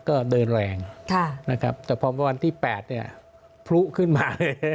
ก็เดินแรงแต่พอวันที่๘พลุขึ้นมาเลย